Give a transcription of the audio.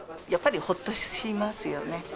やっぱりほっとしますよね。